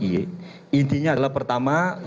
jadi intinya adalah pertama